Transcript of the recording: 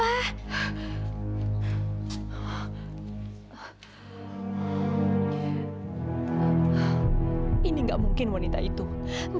aku akan berputus asa